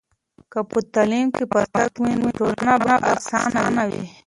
که په تعلیم کې پرمختګ وي، نو ټولنه به اسانه وي.